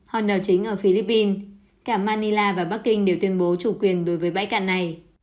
honna chính ở philippines cả manila và bắc kinh đều tuyên bố chủ quyền đối với bãi cạn này